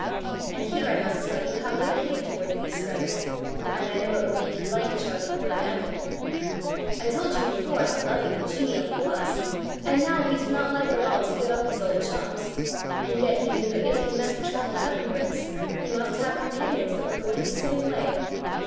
And here I must tell you how he behaved towards these friends, and I know it will make you like Charlie more than ever. I told you before how loving and genial he was, and now he did not at all like to give up his old chums, and yet he knew that if he meant to travel heavenwards he must have companions that were going the same way.